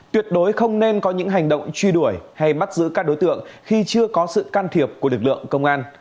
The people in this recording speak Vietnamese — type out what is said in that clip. tuyệt đối không nên có những hành động truy đuổi hay bắt giữ các đối tượng khi chưa có sự can thiệp của lực lượng công an